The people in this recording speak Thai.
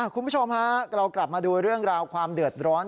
คุณผู้ชมฮะเรากลับมาดูเรื่องราวความเดือดร้อน